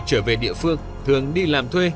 trở về địa phương thường đi làm thuê